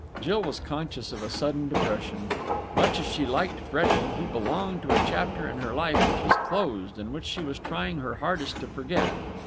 Jill was conscious of a sudden depression. Much as she liked Freddie, he belonged to a chapter in her life which was closed and which she was trying her hardest to forget.